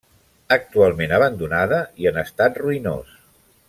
Actualment abandonada i en estat ruïnós.